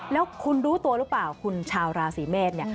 แล้วคุณรู้ตัวหรือเปล่าคุณชาวราศีเมษเนี่ย